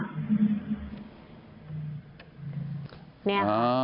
นี่ค่ะ